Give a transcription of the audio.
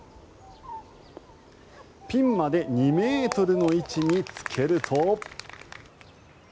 ピンまで２ｍの位置につけると。